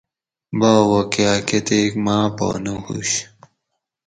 باوہ کاۤ کتیک ماۤ پا نہ ھوش